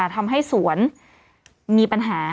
ทำให้สวนมีปัญหา